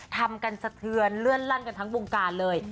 ทำกันเสื่อเถื่อมเผื่อนเลื่อนลั่นกันทั้งภูมิการเลย